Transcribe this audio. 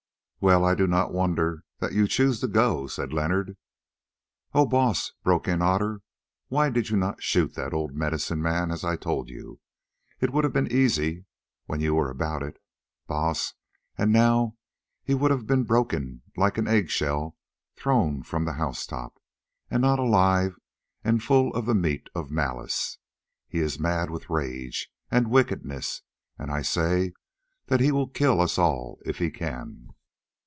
"Well, I do not wonder that you chose to go," said Leonard. "Oh, Baas," broke in Otter, "why did you not shoot that old medicine man as I told you? It would have been easy when you were about it, Baas, and now he would have been broken like an eggshell thrown from a house top, and not alive and full of the meat of malice. He is mad with rage and wickedness, and I say that he will kill us all if he can."